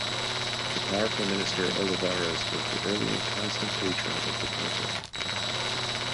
The powerful minister Olivares was the early and constant patron of the painter.